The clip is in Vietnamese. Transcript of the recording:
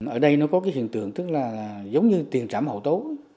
ở đây nó có cái hiện tượng tức là giống như tiền trảm hậu tố